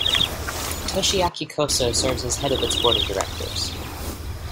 Toshiaki Koso serves as head of its board of directors.